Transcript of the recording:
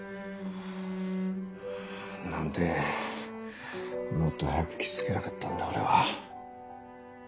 何でもっと早く気付けなかったんだ俺は。